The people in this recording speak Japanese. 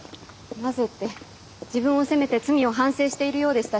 なぜって自分を責めて罪を反省しているようでしたし。